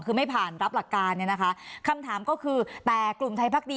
คือไม่ผ่านรับหลักการเนี่ยนะคะคำถามก็คือแต่กลุ่มไทยพักดี